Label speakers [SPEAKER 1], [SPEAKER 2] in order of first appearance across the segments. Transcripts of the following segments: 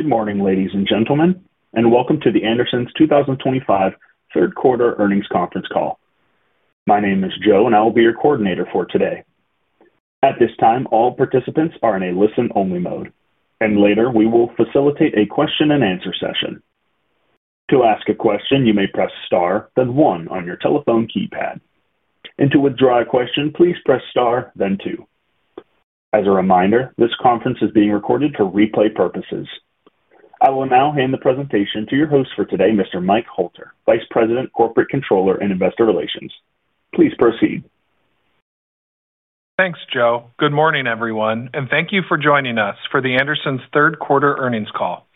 [SPEAKER 1] Good morning, ladies and gentlemen, and welcome to The Andersons 2025 third quarter earnings conference call. My name is Joe, and I will be your coordinator for today. At this time, all participants are in a listen-only mode, and later we will facilitate a question-and-answer session. To ask a question, you may press star, then one on your telephone keypad. To withdraw a question, please press star, then two. As a reminder, this conference is being recorded for replay purposes. I will now hand the presentation to your host for today, Mr. Mike Hoelter, Vice President, Corporate Controller, and Investor Relations. Please proceed.
[SPEAKER 2] Thanks, Joe. Good morning, everyone, and thank you for joining us for The Andersons third quarter earnings call.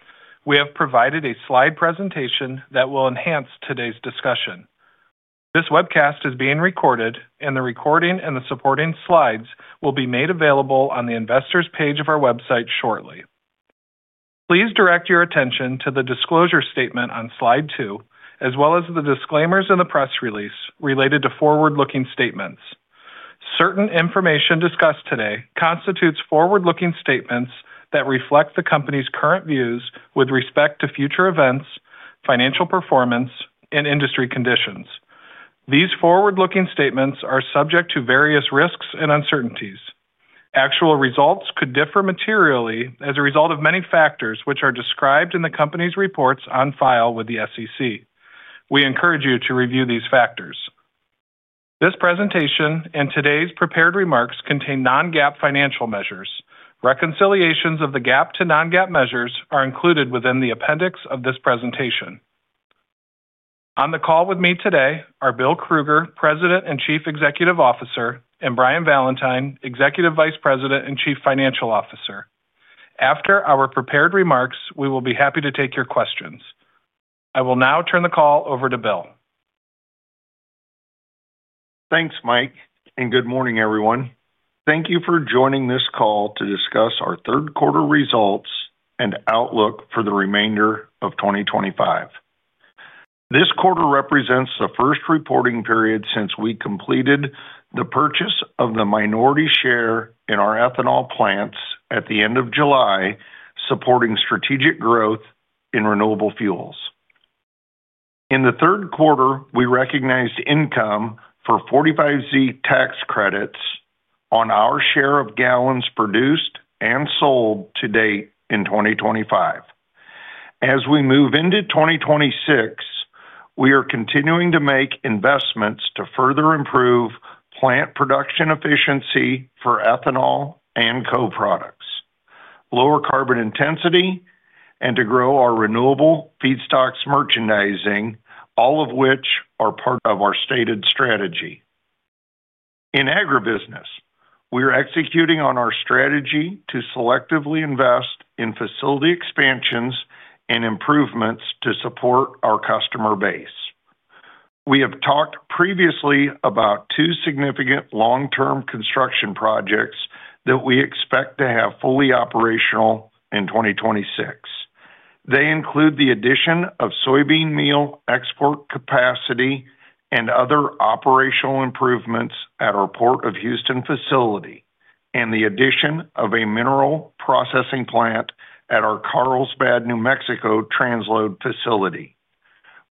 [SPEAKER 2] We have provided a slide presentation that will enhance today's discussion. This webcast is being recorded, and the recording and the supporting slides will be made available on the investors' page of our website shortly. Please direct your attention to the disclosure statement on slide two, as well as the disclaimers in the press release related to forward-looking statements. Certain information discussed today constitutes forward-looking statements that reflect the company's current views with respect to future events, financial performance, and industry conditions. These forward-looking statements are subject to various risks and uncertainties. Actual results could differ materially as a result of many factors which are described in the company's reports on file with the SEC. We encourage you to review these factors. This presentation and today's prepared remarks contain non-GAAP financial measures. Reconciliations of the GAAP to non-GAAP measures are included within the appendix of this presentation. On the call with me today are Bill Krueger, President and Chief Executive Officer, and Brian Valentine, Executive Vice President and Chief Financial Officer. After our prepared remarks, we will be happy to take your questions. I will now turn the call over to Bill.
[SPEAKER 3] Thanks, Mike, and good morning, everyone. Thank you for joining this call to discuss our third quarter results and outlook for the remainder of 2025. This quarter represents the first reporting period since we completed the purchase of the minority share in our ethanol plants at the end of July, supporting strategic growth in renewable fuels. In the third quarter, we recognized income for 45Z tax credits on our share of gallons produced and sold to date in 2025. As we move into 2026, we are continuing to make investments to further improve plant production efficiency for ethanol and co-products, lower carbon intensity, and to grow our renewable feedstocks merchandising, all of which are part of our stated strategy. In agribusiness, we are executing on our strategy to selectively invest in facility expansions and improvements to support our customer base. We have talked previously about two significant long-term construction projects that we expect to have fully operational in 2026. They include the addition of soybean meal export capacity and other operational improvements at our Port of Houston facility, and the addition of a mineral processing plant at our Carlsbad, New Mexico, transload facility.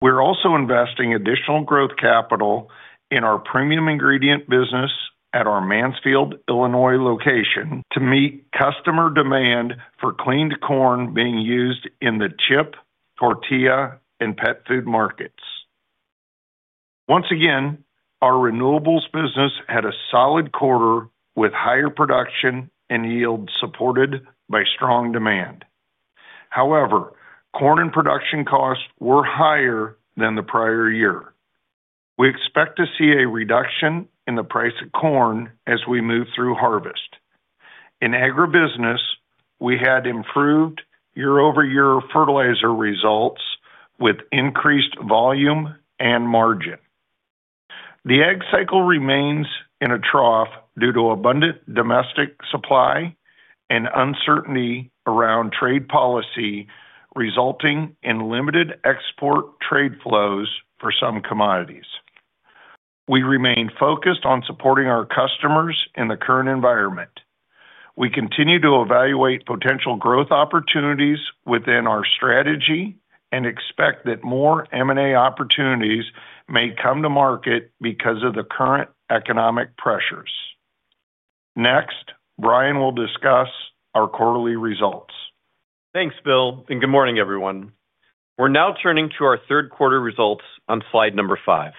[SPEAKER 3] We're also investing additional growth capital in our premium ingredient business at our Mansfield, Illinois, location to meet customer demand for cleaned corn being used in the chip, tortilla, and pet food markets. Once again, our renewables business had a solid quarter with higher production and yield supported by strong demand. However, corn and production costs were higher than the prior year. We expect to see a reduction in the price of corn as we move through harvest. In agribusiness, we had improved year-over-year fertilizer results with increased volume and margin. The egg cycle remains in a trough due to abundant domestic supply and uncertainty around trade policy, resulting in limited export trade flows for some commodities. We remain focused on supporting our customers in the current environment. We continue to evaluate potential growth opportunities within our strategy and expect that more M&A opportunities may come to market because of the current economic pressures. Next, Brian will discuss our quarterly results.
[SPEAKER 4] Thanks, Bill, and good morning, everyone. We're now turning to our third quarter results on slide number five.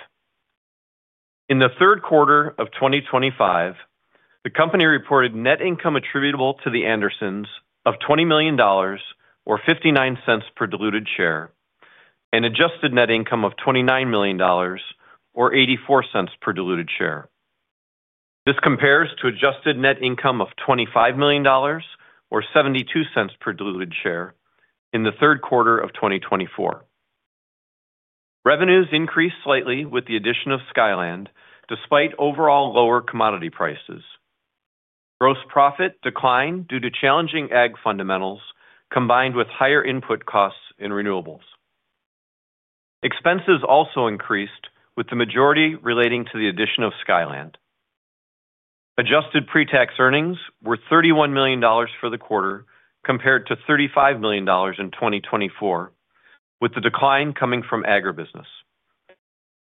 [SPEAKER 4] In the third quarter of 2025, the company reported net income attributable to The Andersons of $20 million, or $0.59 per diluted share, and adjusted net income of $29 million, or $0.84 per diluted share. This compares to adjusted net income of $25 million, or $0.72 per diluted share, in the third quarter of 2024. Revenues increased slightly with the addition of Skyland, despite overall lower commodity prices. Gross profit declined due to challenging egg fundamentals, combined with higher input costs in renewables. Expenses also increased, with the majority relating to the addition of Skyland. Adjusted pre-tax earnings were $31 million for the quarter, compared to $35 million in 2024, with the decline coming from agribusiness.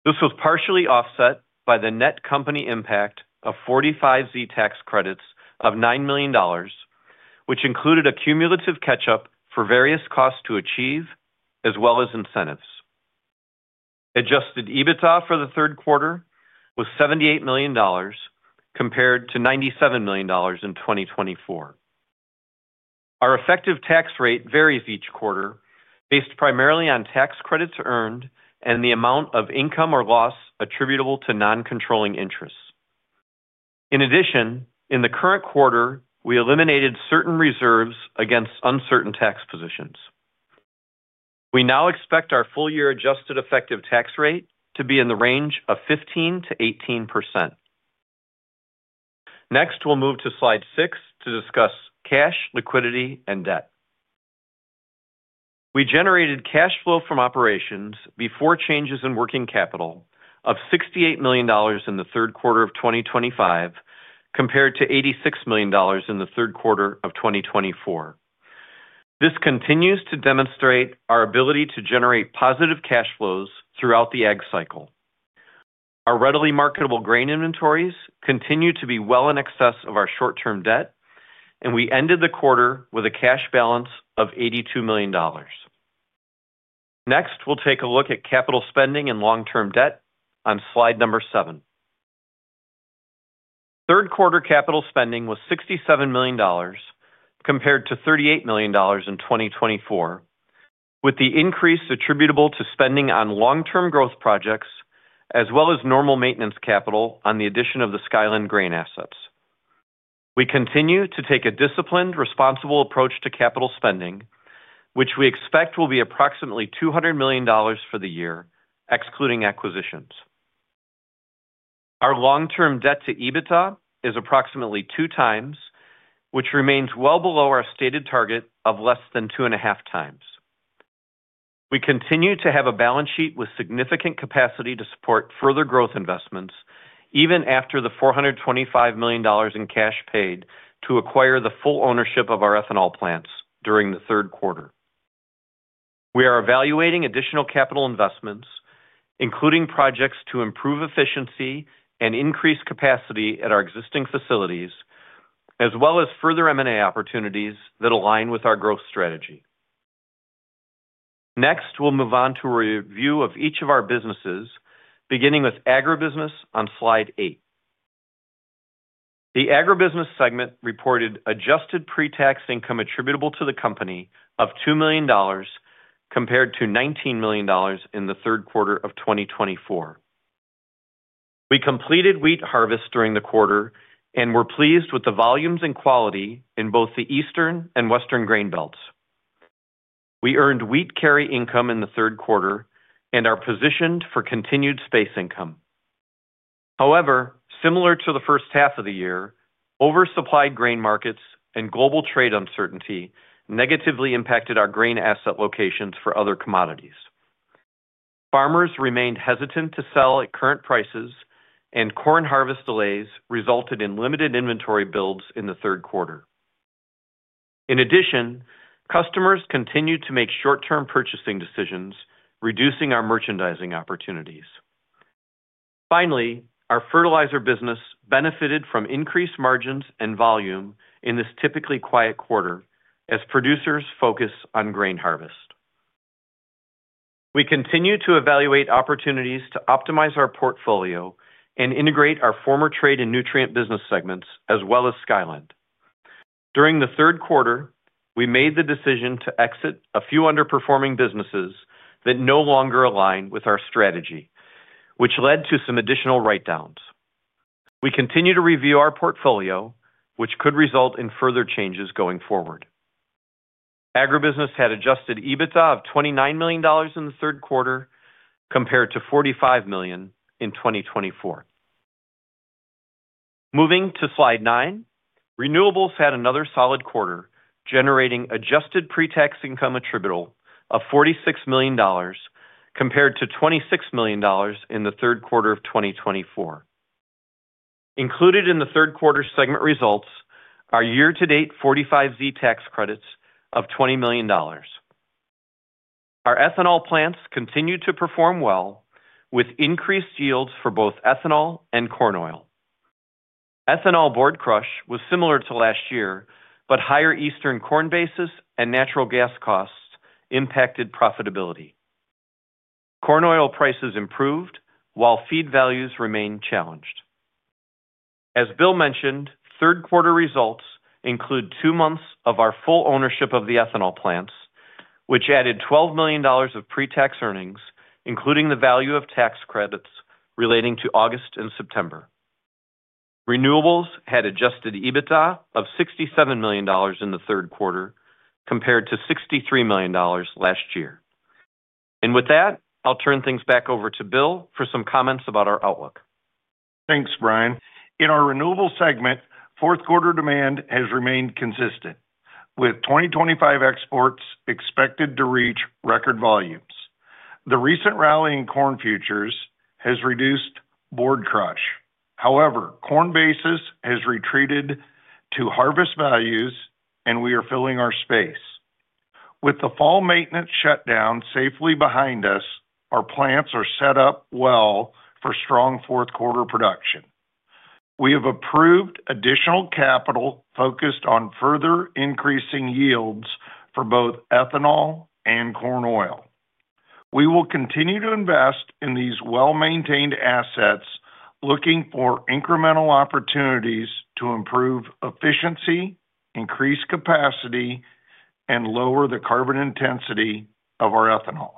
[SPEAKER 4] This was partially offset by the net company impact of 45Z tax credits of $9 million, which included a cumulative catch-up for various costs to achieve, as well as incentives. Adjusted EBITDA for the third quarter was $78 million, compared to $97 million in 2024. Our effective tax rate varies each quarter, based primarily on tax credits earned and the amount of income or loss attributable to non-controlling interests. In addition, in the current quarter, we eliminated certain reserves against uncertain tax positions. We now expect our full-year adjusted effective tax rate to be in the range of 15%-18%. Next, we'll move to slide six to discuss cash, liquidity, and debt. We generated cash flow from operations before changes in working capital of $68 million in the third quarter of 2025, compared to $86 million in the third quarter of 2024. This continues to demonstrate our ability to generate positive cash flows throughout the egg cycle. Our readily marketable grain inventories continue to be well in excess of our short-term debt, and we ended the quarter with a cash balance of $82 million. Next, we'll take a look at capital spending and long-term debt on slide number seven. Third quarter capital spending was $67 million, compared to $38 million in 2024, with the increase attributable to spending on long-term growth projects, as well as normal maintenance capital on the addition of the Skyland Grain assets. We continue to take a disciplined, responsible approach to capital spending, which we expect will be approximately $200 million for the year, excluding acquisitions. Our long-term debt to EBITDA is approximately 2x, which remains well below our stated target of less than 2.5x. We continue to have a balance sheet with significant capacity to support further growth investments, even after the $425 million in cash paid to acquire the full ownership of our ethanol plants during the third quarter. We are evaluating additional capital investments, including projects to improve efficiency and increase capacity at our existing facilities, as well as further M&A opportunities that align with our growth strategy. Next, we will move on to a review of each of our businesses, beginning with agribusiness on slide eight. The agribusiness segment reported adjusted pre-tax income attributable to the company of $2 million, compared to $19 million in the third quarter of 2024. We completed wheat harvest during the quarter and were pleased with the volumes and quality in both the eastern and western grain belts. We earned wheat carry income in the third quarter and are positioned for continued space income. However, similar to the first half of the year, oversupplied grain markets and global trade uncertainty negatively impacted our grain asset locations for other commodities. Farmers remained hesitant to sell at current prices, and corn harvest delays resulted in limited inventory builds in the third quarter. In addition, customers continued to make short-term purchasing decisions, reducing our merchandising opportunities. Finally, our fertilizer business benefited from increased margins and volume in this typically quiet quarter, as producers focus on grain harvest. We continue to evaluate opportunities to optimize our portfolio and integrate our former trade and nutrient business segments, as well as Skyland. During the third quarter, we made the decision to exit a few underperforming businesses that no longer align with our strategy, which led to some additional write-downs. We continue to review our portfolio, which could result in further changes going forward. Agribusiness had Adjusted EBITDA of $29 million in the third quarter, compared to $45 million in 2024. Moving to slide nine, renewables had another solid quarter, generating adjusted pre-tax income attributable of $46 million, compared to $26 million in the third quarter of 2024. Included in the third quarter segment results are year-to-date 45Z tax credits of $20 million. Our ethanol plants continued to perform well, with increased yields for both ethanol and corn oil. Ethanol board crush was similar to last year, but higher eastern corn bases and natural gas costs impacted profitability. Corn oil prices improved, while feed values remained challenged. As Bill mentioned, third quarter results include two months of our full ownership of the ethanol plants, which added $12 million of pre-tax earnings, including the value of tax credits relating to August and September. Renewables had Adjusted EBITDA of $67 million in the third quarter, compared to $63 million last year. With that, I'll turn things back over to Bill for some comments about our outlook.
[SPEAKER 3] Thanks, Brian. In our renewables segment, fourth quarter demand has remained consistent, with 2025 exports expected to reach record volumes. The recent rally in corn futures has reduced board crush. However, corn basis has retreated to harvest values, and we are filling our space. With the fall maintenance shutdown safely behind us, our plants are set up well for strong fourth quarter production. We have approved additional capital focused on further increasing yields for both ethanol and corn oil. We will continue to invest in these well-maintained assets, looking for incremental opportunities to improve efficiency, increase capacity, and lower the carbon intensity of our ethanol.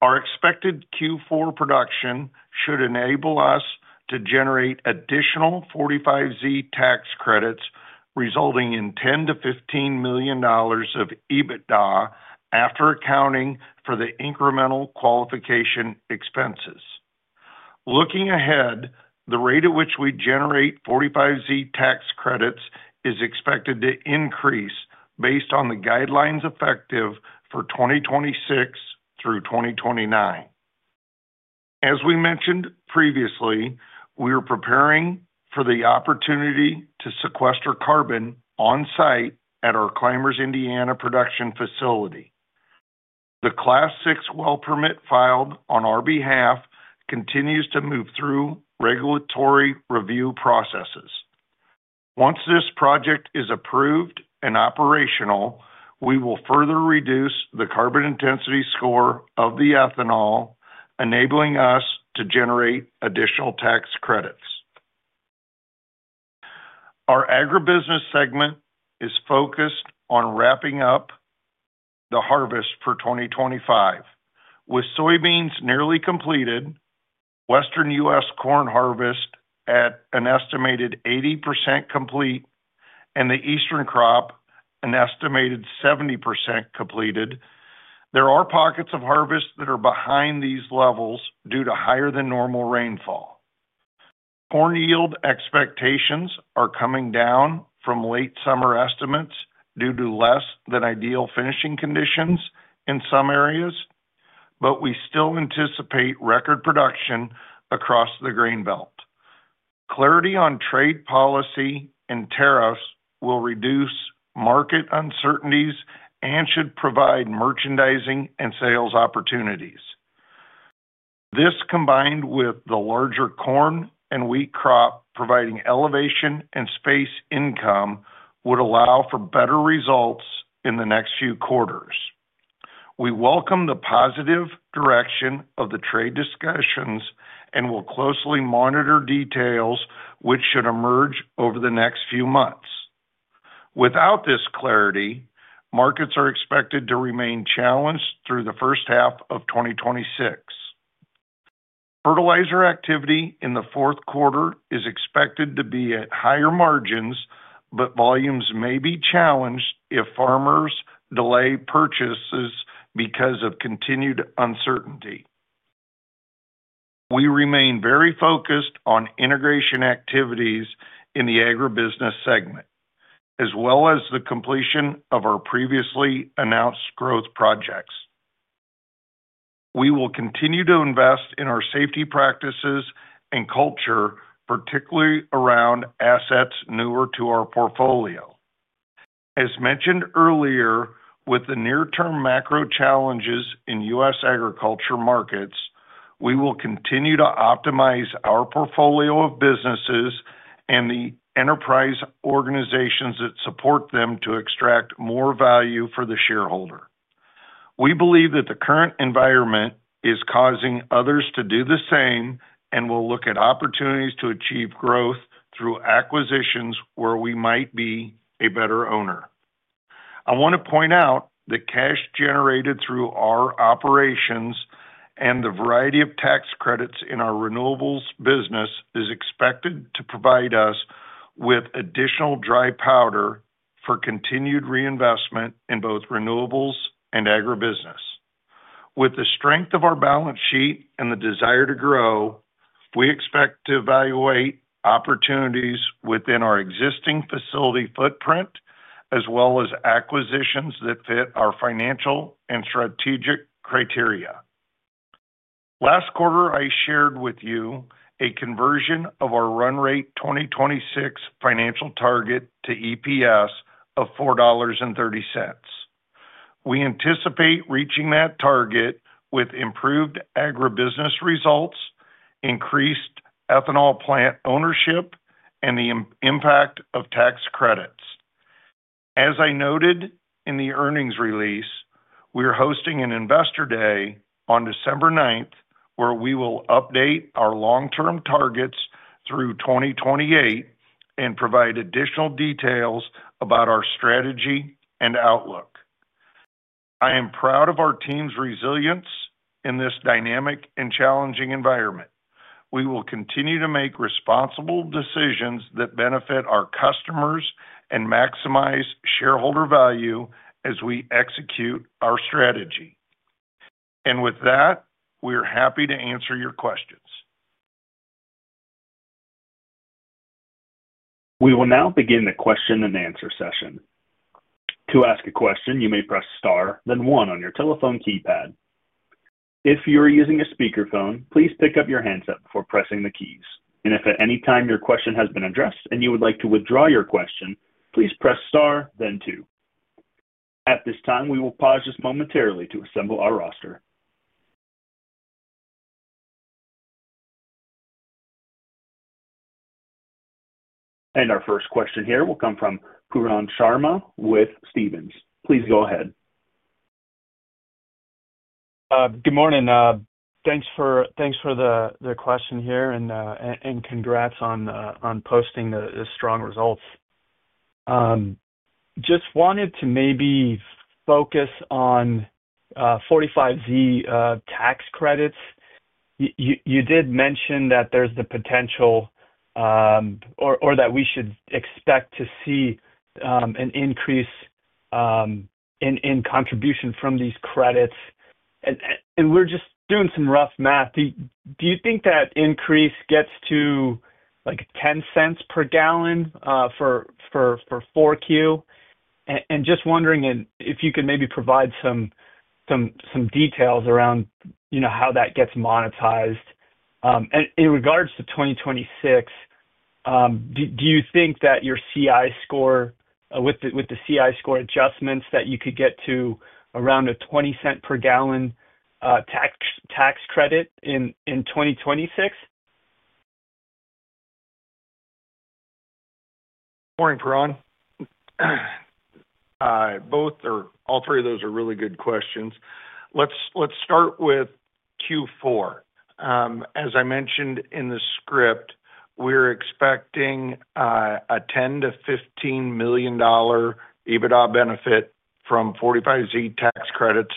[SPEAKER 3] Our expected Q4 production should enable us to generate additional 45Z tax credits, resulting in $10 million-$15 million of EBITDA after accounting for the incremental qualification expenses. Looking ahead, the rate at which we generate 45Z tax credits is expected to increase based on the guidelines effective for 2026 through 2029. As we mentioned previously, we are preparing for the opportunity to sequester carbon on site at our Clymers, Indiana, production facility. The Class 6 well permit filed on our behalf continues to move through regulatory review processes. Once this project is approved and operational, we will further reduce the carbon intensity score of the ethanol, enabling us to generate additional tax credits. Our agribusiness segment is focused on wrapping up the harvest for 2025. With soybeans nearly completed, Western U.S. corn harvest at an estimated 80% complete, and the eastern crop an estimated 70% completed, there are pockets of harvest that are behind these levels due to higher than normal rainfall. Corn yield expectations are coming down from late summer estimates due to less than ideal finishing conditions in some areas, but we still anticipate record production across the grain belt. Clarity on trade policy and tariffs will reduce market uncertainties and should provide merchandising and sales opportunities. This, combined with the larger corn and wheat crop providing elevation and space income, would allow for better results in the next few quarters. We welcome the positive direction of the trade discussions and will closely monitor details which should emerge over the next few months. Without this clarity, markets are expected to remain challenged through the first half of 2026. Fertilizer activity in the fourth quarter is expected to be at higher margins, but volumes may be challenged if farmers delay purchases because of continued uncertainty. We remain very focused on integration activities in the agribusiness segment, as well as the completion of our previously announced growth projects. We will continue to invest in our safety practices and culture, particularly around assets newer to our portfolio. As mentioned earlier, with the near-term macro challenges in U.S. agriculture markets, we will continue to optimize our portfolio of businesses and the enterprise organizations that support them to extract more value for the shareholder. We believe that the current environment is causing others to do the same and will look at opportunities to achieve growth through acquisitions where we might be a better owner. I want to point out that cash generated through our operations and the variety of tax credits in our renewables business is expected to provide us with additional dry powder for continued reinvestment in both renewables and agribusiness. With the strength of our balance sheet and the desire to grow, we expect to evaluate opportunities within our existing facility footprint, as well as acquisitions that fit our financial and strategic criteria. Last quarter, I shared with you a conversion of our run rate 2026 financial target to EPS of $4.30. We anticipate reaching that target with improved agribusiness results, increased ethanol plant ownership, and the impact of tax credits. As I noted in the earnings release, we are hosting an investor day on December 9th, where we will update our long-term targets through 2028 and provide additional details about our strategy and outlook. I am proud of our team's resilience in this dynamic and challenging environment. We will continue to make responsible decisions that benefit our customers and maximize shareholder value as we execute our strategy. We are happy to answer your questions.
[SPEAKER 1] We will now begin the question and answer session. To ask a question, you may press star then one on your telephone keypad. If you are using a speakerphone, please pick up your handset before pressing the keys. If at any time your question has been addressed and you would like to withdraw your question, please press star then two. At this time, we will pause just momentarily to assemble our roster. Our first question here will come from Pooran Sharma with Stephens. Please go ahead.
[SPEAKER 5] Good morning. Thanks for the question here and congrats on posting the strong results. Just wanted to maybe focus on 45Z tax credits. You did mention that there's the potential, or that we should expect to see, an increase in contribution from these credits. And we're just doing some rough math. Do you think that increase gets to, like, $0.10 per gal for Q4? Just wondering if you could maybe provide some details around how that gets monetized. In regards to 2026, do you think that your CI score, with the CI score adjustments, that you could get to around a $0.20 per gal tax credit in 2026?
[SPEAKER 3] Morning, Pooran. Both or all three of those are really good questions. Let's start with Q4. As I mentioned in the script, we're expecting a $10 million-$15 million EBITDA benefit from 45Z tax credits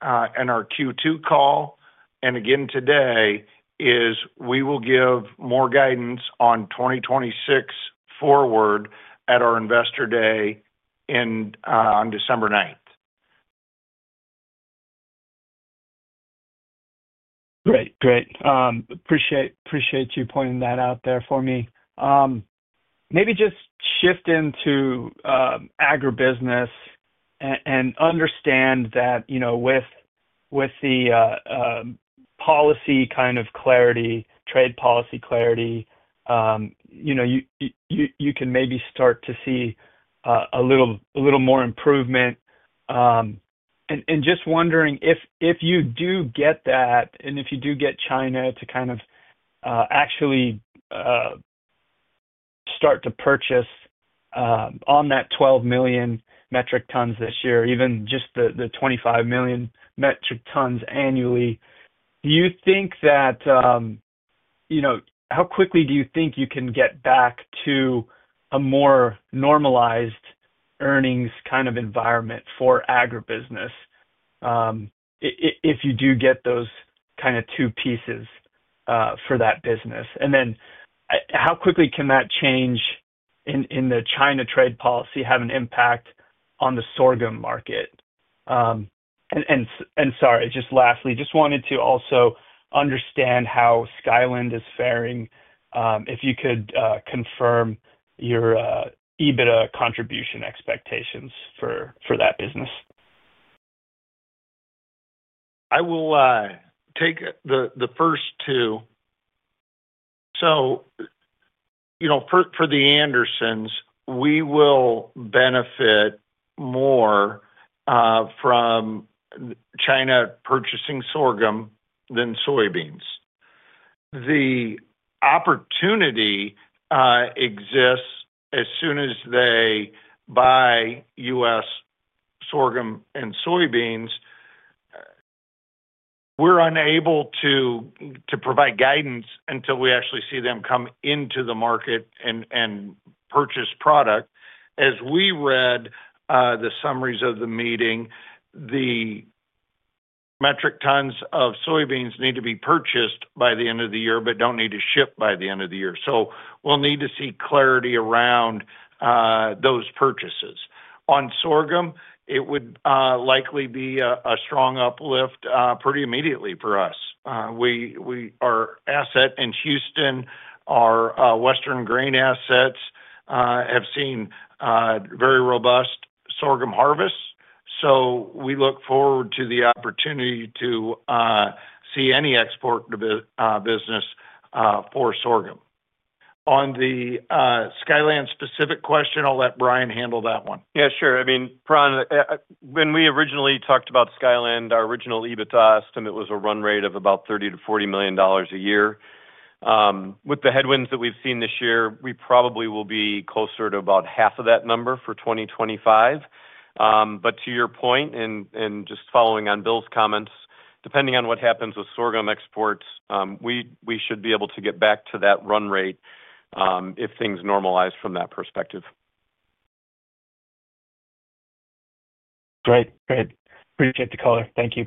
[SPEAKER 3] on a net basis for 2024 or 2025 Q4. For 2026, as we mentioned at the, in our Q2 call and again today, is we will give more guidance on 2026 forward at our investor day on December 9th.
[SPEAKER 5] Great. Appreciate you pointing that out there for me. Maybe just shift into agribusiness. I understand that with the policy kind of clarity, trade policy clarity, you can maybe start to see a little more improvement. I am just wondering if you do get that, and if you do get China to kind of actually start to purchase on that 12 million metric tons this year, even just the 25 million metric tons annually, do you think that, how quickly do you think you can get back to a more normalized earnings kind of environment for agribusiness if you do get those kind of two pieces for that business? How quickly can that change in the China trade policy have an impact on the sorghum market? Sorry, just lastly, just wanted to also understand how Skyland is faring. If you could confirm your EBITDA contribution expectations for that business.
[SPEAKER 3] I will take the first two. For The Andersons, we will benefit more from China purchasing sorghum than soybeans. The opportunity exists as soon as they buy U.S. sorghum and soybeans. We're unable to provide guidance until we actually see them come into the market and purchase product. As we read the summaries of the meeting, the metric tons of soybeans need to be purchased by the end of the year but do not need to ship by the end of the year. We will need to see clarity around those purchases. On sorghum, it would likely be a strong uplift pretty immediately for us. Our asset in Houston, our Western grain assets, have seen very robust sorghum harvests. We look forward to the opportunity to see any export business for sorghum. On the Skyland-specific question, I'll let Brian handle that one.
[SPEAKER 4] Yeah, sure. I mean, Pooran, when we originally talked about Skyland, our original EBITDA estimate was a run rate of about $30 million-$40 million a year. With the headwinds that we've seen this year, we probably will be closer to about half of that number for 2025. To your point, and just following on Bill's comments, depending on what happens with sorghum exports, we should be able to get back to that run rate if things normalize from that perspective.
[SPEAKER 5] Great. Appreciate the color. Thank you.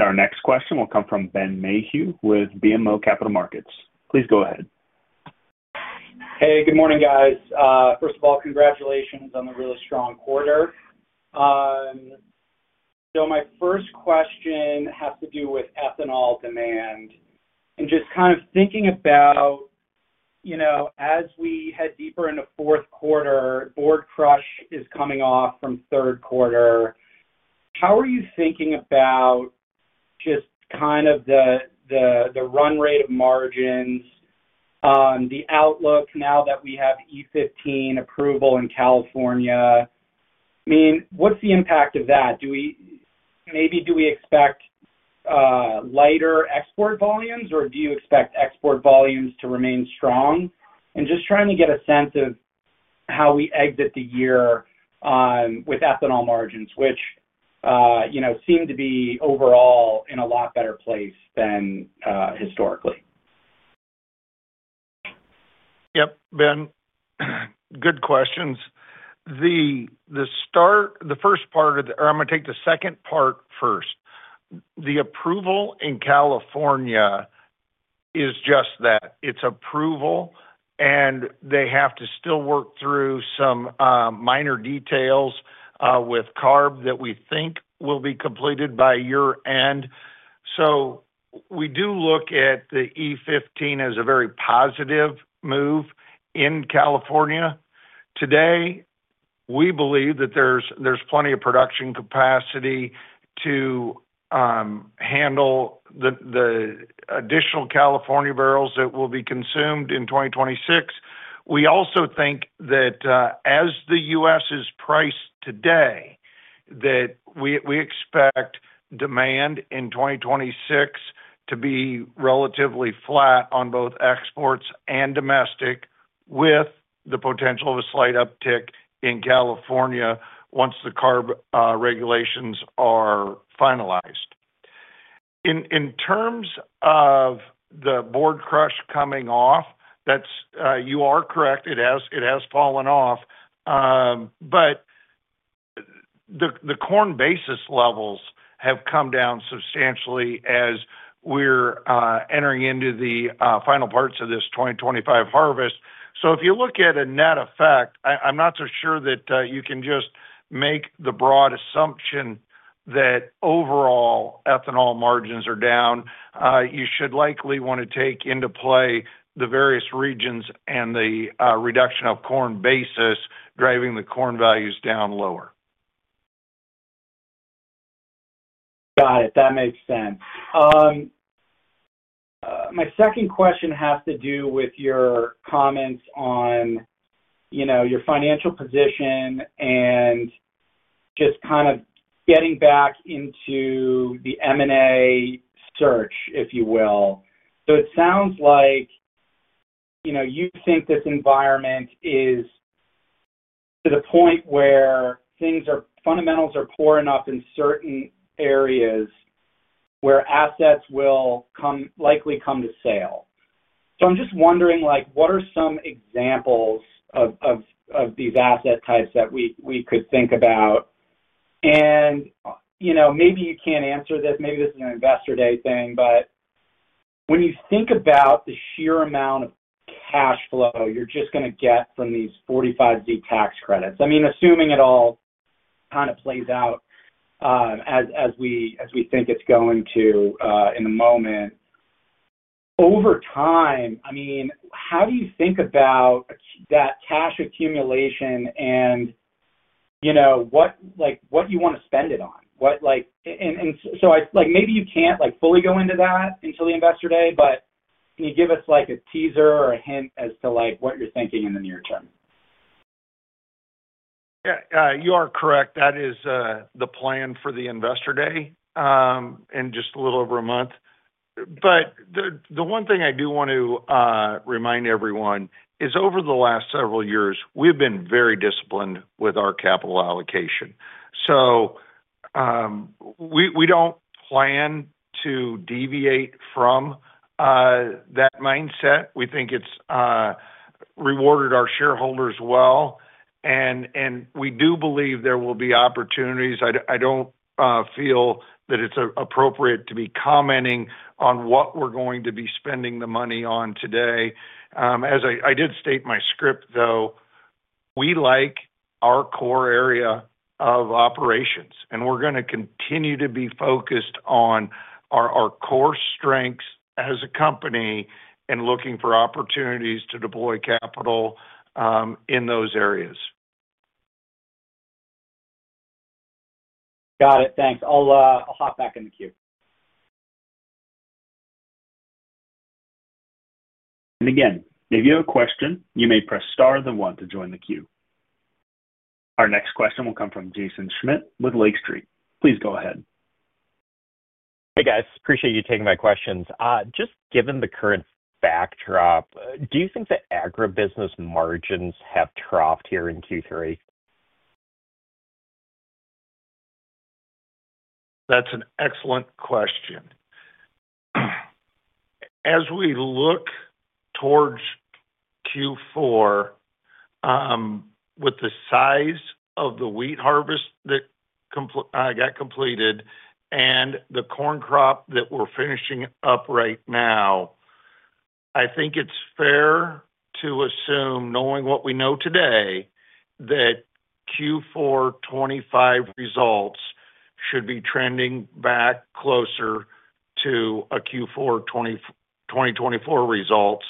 [SPEAKER 4] Our next question will come from Ben Mayhew with BMO Capital Markets. Please go ahead.
[SPEAKER 6] Hey, good morning, guys. First of all, congratulations on the really strong quarter. My first question has to do with ethanol demand. Just kind of thinking about as we head deeper into fourth quarter, board crush is coming off from third quarter. How are you thinking about just kind of the run rate of margins? The outlook now that we have E15 approval in California? I mean, what's the impact of that? Maybe do we expect lighter export volumes, or do you expect export volumes to remain strong? Just trying to get a sense of how we exit the year with ethanol margins, which seem to be overall in a lot better place than historically.
[SPEAKER 3] Yep. Ben, good questions. The first part of the—or I'm going to take the second part first. The approval in California is just that. It's approval, and they have to still work through some minor details with CARB that we think will be completed by year-end. We do look at the E15 as a very positive move in California. Today, we believe that there's plenty of production capacity to handle the additional California barrels that will be consumed in 2026. We also think that as the U.S. is priced today, we expect demand in 2026 to be relatively flat on both exports and domestic, with the potential of a slight uptick in California once the CARB regulations are finalized. In terms of the board crush coming off, you are correct. It has fallen off. But. The corn basis levels have come down substantially as we're entering into the final parts of this 2025 harvest. If you look at a net effect, I'm not so sure that you can just make the broad assumption that overall ethanol margins are down. You should likely want to take into play the various regions and the reduction of corn basis driving the corn values down lower.
[SPEAKER 6] Got it. That makes sense. My second question has to do with your comments on your financial position. Just kind of getting back into the M&A search, if you will. It sounds like you think this environment is to the point where fundamentals are poor enough in certain areas where assets will likely come to sale. I'm just wondering, what are some examples of these asset types that we could think about? Maybe you can't answer this. Maybe this is an investor day thing. When you think about the sheer amount of cash flow you're just going to get from these 45Z tax credits, I mean, assuming it all kind of plays out as we think it's going to in the moment, over time, I mean, how do you think about that cash accumulation and what you want to spend it on? Maybe you can't fully go into that until the investor day, but can you give us a teaser or a hint as to what you're thinking in the near term?
[SPEAKER 3] Yeah. You are correct. That is the plan for the investor day in just a little over a month. The one thing I do want to remind everyone is over the last several years, we've been very disciplined with our capital allocation. We don't plan to deviate from that mindset. We think it's rewarded our shareholders well. We do believe there will be opportunities. I don't feel that it's appropriate to be commenting on what we're going to be spending the money on today. As I did state in my script, though, we like our core area of operations, and we're going to continue to be focused on our core strengths as a company and looking for opportunities to deploy capital in those areas.
[SPEAKER 6] Got it. Thanks. I'll hop back in the queue. If you have a question, you may press star then one to join the queue.
[SPEAKER 1] Our next question will come from Jaeson Schmidt with Lake Street. Please go ahead.
[SPEAKER 7] Hey, guys. Appreciate you taking my questions. Just given the current backdrop, do you think that agribusiness margins have troughed here in Q3?
[SPEAKER 3] That's an excellent question. As we look towards Q4, with the size of the wheat harvest that got completed and the corn crop that we're finishing up right now, I think it's fair to assume, knowing what we know today, that Q4 2025 results should be trending back closer to Q4 2024 results,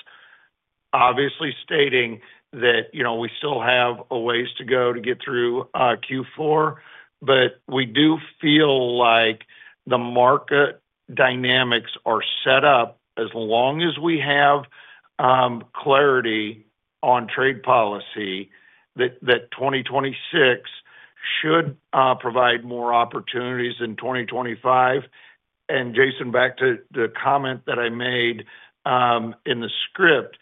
[SPEAKER 3] obviously stating that we still have a ways to go to get through Q4. We do feel like the market dynamics are set up as long as we have clarity on trade policy that 2026 should provide more opportunities than 2025. Jaeson, back to the comment that I made in the script,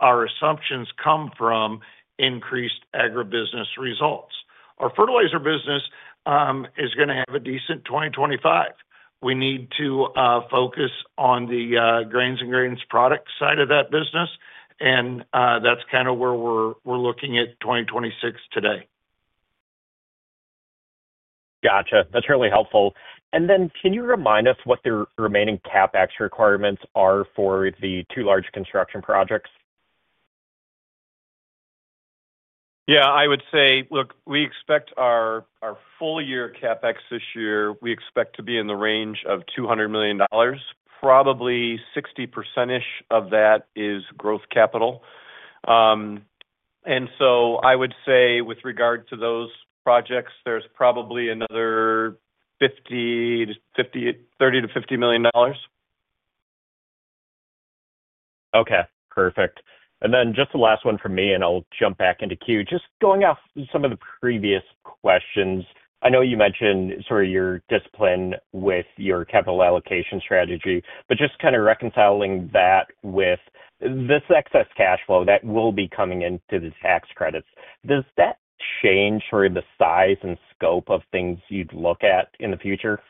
[SPEAKER 3] our assumptions come from increased agribusiness results. Our fertilizer business is going to have a decent 2025. We need to focus on the grains and grains product side of that business, and that's kind of where we're looking at 2026 today.
[SPEAKER 7] Gotcha. That's really helpful. Can you remind us what the remaining CapEx requirements are for the two large construction projects?
[SPEAKER 4] Yeah. I would say, look, we expect our full-year CapEx this year, we expect to be in the range of $200 million. Probably 60%‑ish of that is growth capital. I would say with regard to those projects, there's probably another $30 million-$50 million.
[SPEAKER 7] Okay. Perfect. Just the last one for me, and I'll jump back into queue. Just going off some of the previous questions, I know you mentioned sort of your discipline with your capital allocation strategy, but just kind of reconciling that with this excess cash flow that will be coming into the tax credits, does that change sort of the size and scope of things you'd look at in the future?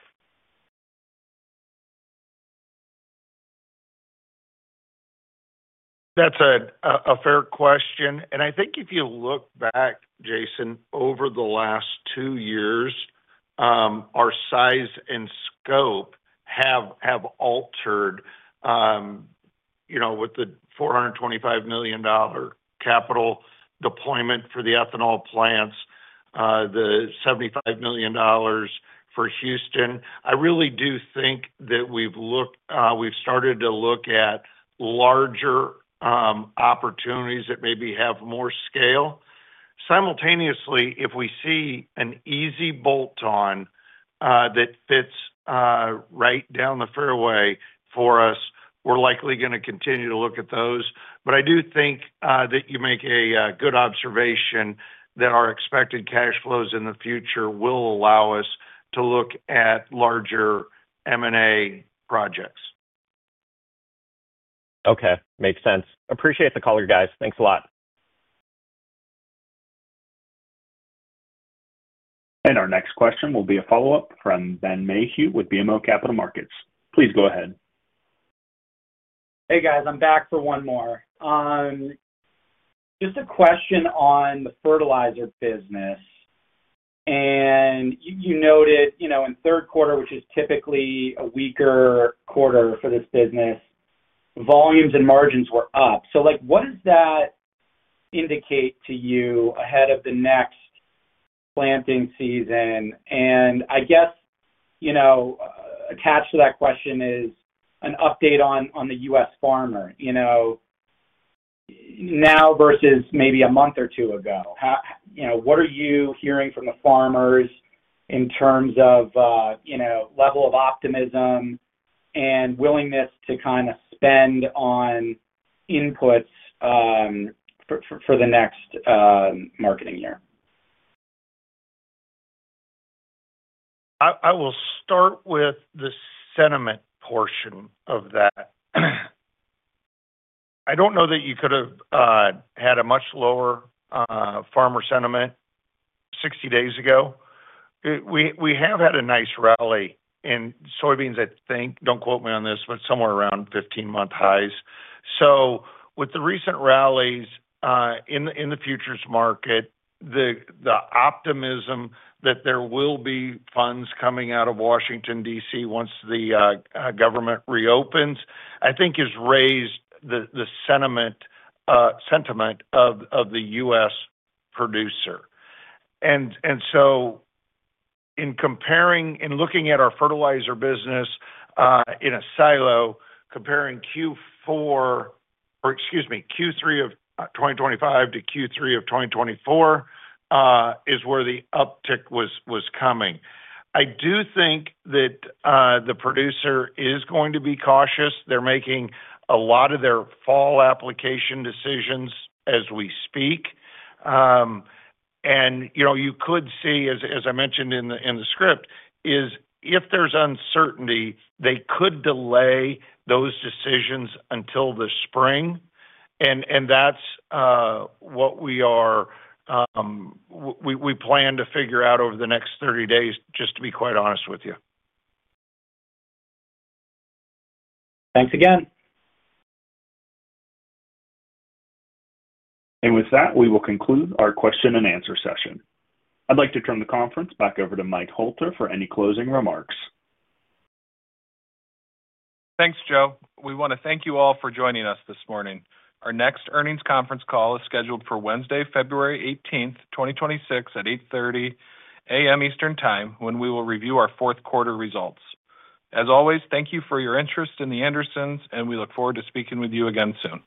[SPEAKER 3] That's a fair question. I think if you look back, Jaeson, over the last two years, our size and scope have altered. With the $425 million capital deployment for the ethanol plants, the $75 million for Houston, I really do think that we've started to look at larger opportunities that maybe have more scale. Simultaneously, if we see an easy bolt-on that fits right down the fairway for us, we're likely going to continue to look at those. I do think that you make a good observation that our expected cash flows in the future will allow us to look at larger M&A projects.
[SPEAKER 7] Okay. Makes sense. Appreciate the call, you guys. Thanks a lot.
[SPEAKER 1] Our next question will be a follow-up from Ben Mayhew with BMO Capital Markets. Please go ahead.
[SPEAKER 6] Hey, guys. I'm back for one more. Just a question on the fertilizer business. You noted in third quarter, which is typically a weaker quarter for this business, volumes and margins were up. What does that indicate to you ahead of the next planting season? I guess attached to that question is an update on the U.S. farmer now versus maybe a month or two ago. What are you hearing from the farmers in terms of level of optimism and willingness to kind of spend on inputs for the next marketing year?
[SPEAKER 3] I will start with the sentiment portion of that. I do not know that you could have had a much lower farmer sentiment 60 days ago. We have had a nice rally in soybeans, I think. Do not quote me on this, but somewhere around 15-month highs. With the recent rallies in the futures market, the optimism that there will be funds coming out of Washington, D.C., once the government reopens, I think, has raised the sentiment of the U.S. producer. In looking at our fertilizer business in a silo, comparing Q3 of 2025 to Q3 of 2024 is where the uptick was coming. I do think that the producer is going to be cautious. They are making a lot of their fall application decisions as we speak. You could see, as I mentioned in the script, if there's uncertainty, they could delay those decisions until the spring. That is what we are. We plan to figure out over the next 30 days, just to be quite honest with you.
[SPEAKER 6] Thanks again.
[SPEAKER 1] With that, we will conclude our question-and-answer session. I'd like to turn the conference back over to Mike Hoelter for any closing remarks.
[SPEAKER 2] Thanks, Joe. We want to thank you all for joining us this morning. Our next earnings conference call is scheduled for Wednesday, February 18, 2026, at 8:30 A.M. Eastern Time, when we will review our fourth quarter results. As always, thank you for your interest in The Andersons, and we look forward to speaking with you again soon.